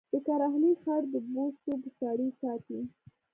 د کرهالې خړ د بوسو بوساړې ساتي